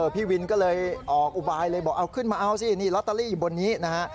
พี่วินก็เลยออกอุบายเลยบอกเอาขึ้นมาเอาสินี่ลอตเตอรี่อยู่บนนี้นะฮะ